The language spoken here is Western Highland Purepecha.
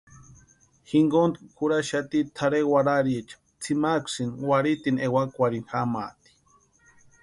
Jinkontu jurhaxati tʼarhe warhariecha tsʼïmaksïni warhitini ewakwarhini jamaati.